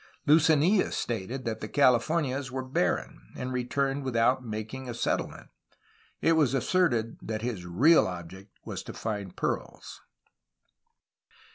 Lucenilla stated that the Californias were barren, and returned without making a settlement. It was asserted that his real object was to find pearls.